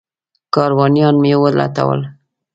کاروانیان مې ولټول.